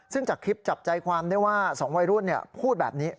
ซึ่งจากคลิปจับใจความได้ว่า๒วัยรุ่นพูดแบบนี้